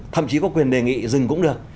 thậm chí có quyền đề nghị dừng cũng được